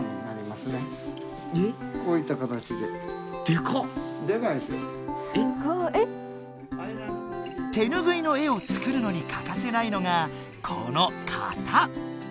⁉すごえ⁉手ぬぐいの絵を作るのにかかせないのがこの「型」。